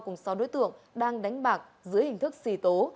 cùng sáu đối tượng đang đánh bạc dưới hình thức xì tố